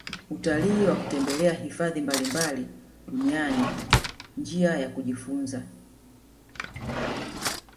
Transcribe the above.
Utalii wa kutembelea hifadhi mbalimbali duniani i jia ya kujifunza